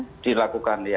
ya dilakukan ya